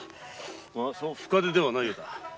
深傷ではないようだ。